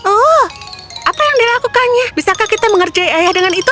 oh apa yang dilakukannya bisakah kita mengerjai ayah dengan itu